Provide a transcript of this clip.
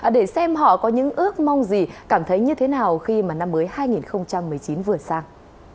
để xem họ có những ước mong gì cảm thấy như thế nào khi mà năm mới hai nghìn một mươi chín vừa sang